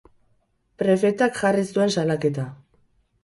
Prefetak jarri zuen salaketa.